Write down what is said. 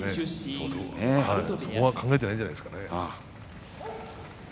そこは考えていないんじゃないですかね。